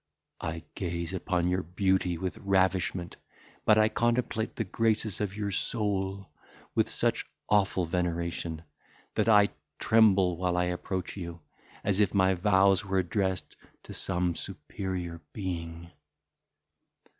I gaze upon your beauty with ravishment; but I contemplate the graces of your soul with such awful veneration, that I tremble while I approach you, as if my vows were addressed to some superior being."